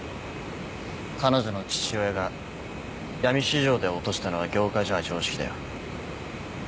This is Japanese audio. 彼女の父親が闇市場で落としたのは業界じゃ常識だよ。